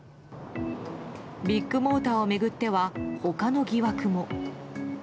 ビッグモーターを巡っては他の疑惑も。